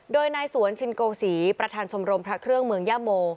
โดยนายสวนชินโกศีประธานชมรมพระเครื่องเมืองย่าโม